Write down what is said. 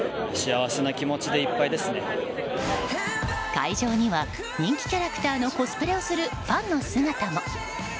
会場には人気キャラクターのコスプレをするファンの姿も。